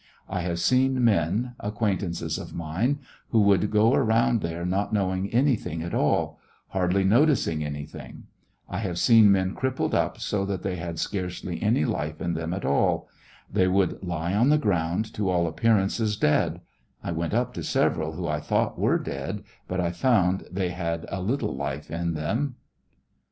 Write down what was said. I have seen men, acquaintances of mine, who would go around there not knowing anything at all ; hardly noticing anything, I have seen men crippled up so that they had scarcely any life in them at all ; they would lie on the ground, to all appearances dead ; I went up to several who I thought were dead, but I found they had a little life in them.